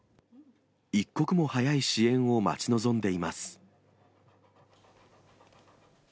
一刻も早い支援を待ち望んでいます。